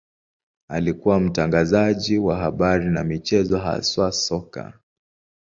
Alikuwa mtangazaji wa habari na michezo, haswa soka.